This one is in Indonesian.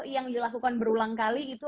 yang dilakukan berulang kali itu